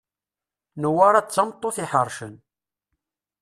Newwara d tameṭṭut iḥercen.